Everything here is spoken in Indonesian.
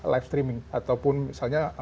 live streaming ataupun misalnya